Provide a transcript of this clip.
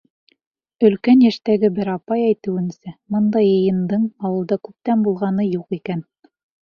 Өлкән йәштәге бер апай әйтеүенсә, бындай йыйындың ауылда күптән булғаны юҡ икән.